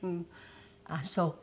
ああそうか。